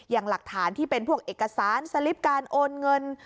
อย่างหลักฐานที่เป็นพวกเอกสารสลิปการโอนเงิน